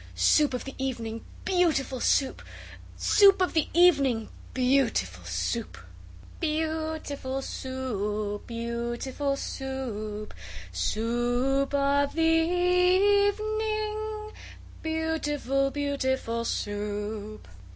Soup of the evening, beautiful Soup! Soup of the evening, beautiful Soup! Beau ootiful Soo oop! Beau ootiful Soo oop! Soo oop of the e e evening, Beautiful, beautiful Soup!